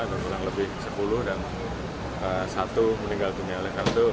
ada kurang lebih sepuluh dan satu meninggal dunia oleh karena itu